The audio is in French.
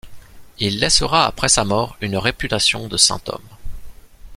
Il laissera après sa mort une réputation de saint homme.